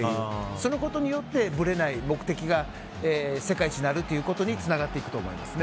そのことによってブレない目的が世界一になるということにつながっていくと思います。